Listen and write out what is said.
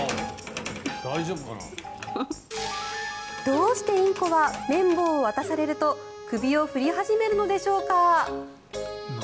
どうしてインコは綿棒を渡されると首を振り始めるのでしょうか。